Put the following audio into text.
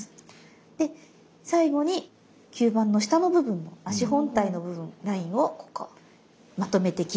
で最後に吸盤の下の部分足本体の部分ラインをまとめて切っていきます。